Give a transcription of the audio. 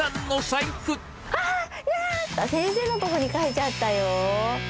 あー、先生のところに書いちゃったよー。